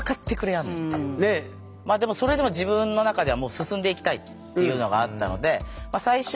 まあでもそれでも自分の中では進んでいきたいっていうのがあったので最終